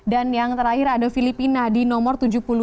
dan yang terakhir ada filipina di nomor tujuh puluh dua